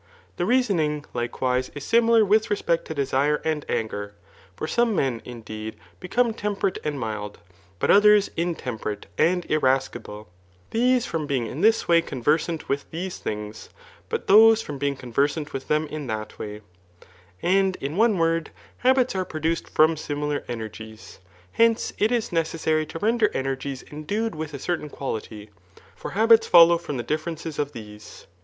The reasonings likewise, is similar with xeupect to desire and anger ; for some men, indeed, become temperate and mild, but others intemperate and irascible i t;hese from being in this way conversant with these things^ tut, those from being conversant with them in that way, An4 in oi^e word, habits are produced from similar ener« ^;iies., Hence» it is necessary to render energies endued with a certain quality { for habits follow from the differ.* qiQe? of these.